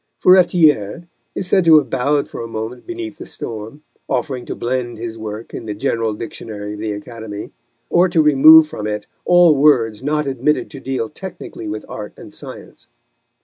Furetière is said to have bowed for a moment beneath the storm, offering to blend his work in the general Dictionary of the Academy, or to remove from it all words not admitted to deal technically with art and science.